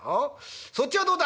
「そっちはどうだ？」。